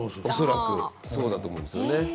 恐らくそうだと思うんですよね。